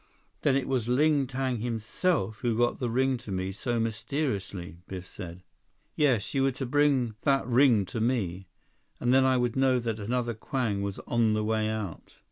"Then it was Ling Tang himself who got the ring to me so mysteriously!" Biff said. "Yes. You were to bring that ring to me, and then I would know that another Kwang was on the way out."